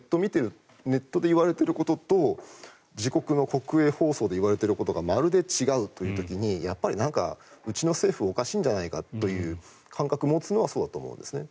ネットで言われていることと自国の国営放送で言われていることがまるで違うという時にうちの政府おかしいんじゃないかという感覚を持つのはそうだと思います。